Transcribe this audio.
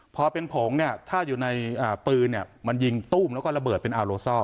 พอเป็นผงเนี่ยถ้าอยู่ในปืนมันยิงตู้มแล้วก็ระเบิดเป็นอาโลซอล